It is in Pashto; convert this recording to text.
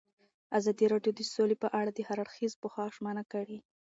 ازادي راډیو د سوله په اړه د هر اړخیز پوښښ ژمنه کړې.